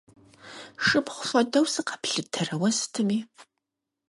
Шыпхъу хуэдэу сыкъэплъытэрэ уэ сытми?